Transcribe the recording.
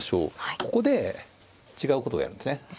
ここで違うことをやるんですね。